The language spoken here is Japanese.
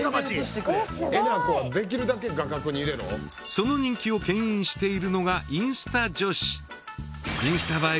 その人気をけん引しているのがインスタ女子インスタ映え